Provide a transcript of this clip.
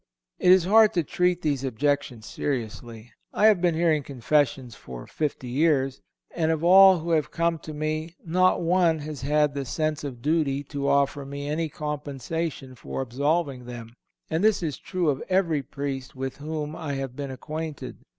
It is hard to treat these objections seriously. I have been hearing confessions for fifty years, and of all who have come to me, not one has had the sense of duty to offer me any compensation for absolving them, and this is true of every Priest with whom I have been acquainted.